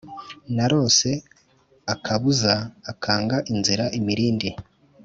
Narose akabuza akanga inzira imirindi